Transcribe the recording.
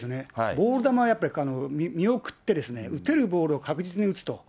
ボール球、やっぱり見送ってですね、打てるボールを確実に打つと。